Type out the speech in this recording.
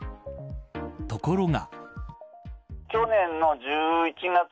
ところが。